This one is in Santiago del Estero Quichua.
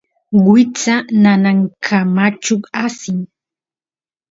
wiksa nanankamachu asin